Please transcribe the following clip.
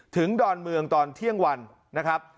ดอนเมืองตอนเที่ยงวันนะครับ